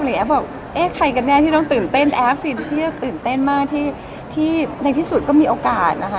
บอกเอ๊ะใครกันแน่ที่ต้องตื่นเต้นแอฟซีที่จะตื่นเต้นมากที่ในที่สุดก็มีโอกาสนะคะ